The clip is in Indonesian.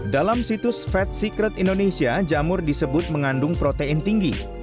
dalam situs fed secret indonesia jamur disebut mengandung protein tinggi